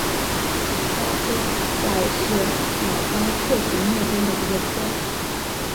鸦科在是鸟纲雀形目中的一个科。